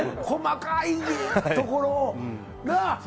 細かいところ。